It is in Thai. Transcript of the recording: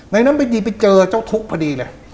ในนั้นไม่ดีไปเจอเจ้าทุกข์พอดีเลย